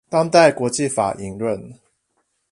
當代國際法引論